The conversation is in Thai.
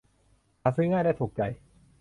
หาซื้อง่ายและถูกใจ